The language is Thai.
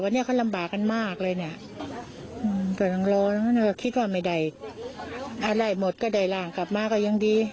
วันนี้เขาลำบากกันมากเลยเนี่ย